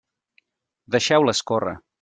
Deixeu-la escórrer.